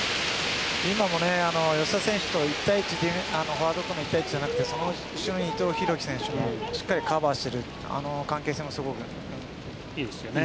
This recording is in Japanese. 今も、吉田選手がフォワードとの１対１じゃなくてその後ろで伊藤洋輝選手もしっかりカバーしている関係性もすごくいいですよね。